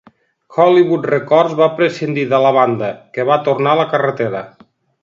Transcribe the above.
Hollywood Records va prescindir de la banda, que va tornar a la carretera.